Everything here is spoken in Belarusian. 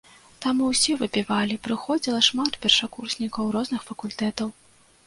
Там усе выпівалі, прыходзіла шмат першакурснікаў розных факультэтаў.